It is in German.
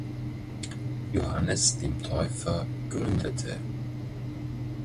Johannes dem Täufer gründete.